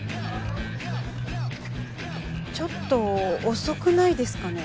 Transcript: ちょっと遅くないですかね？